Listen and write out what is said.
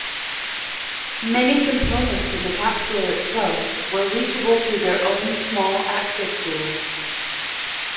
Many components in the capsule itself were reachable through their own small access doors.